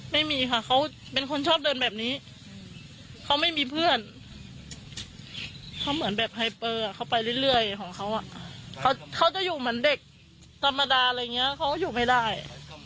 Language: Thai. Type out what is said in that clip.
ไม่มีค่ะเขาเป็นคนชอบเดินแบบนี้เขาไม่มีเพื่อนเขาเหมือนแบบไฮเปอร์เขาไปเรื่อยของเขาเขาจะอยู่เหมือนเด็กธรรมดาอะไรอย่างนี้เขาก็อยู่ไม่ได้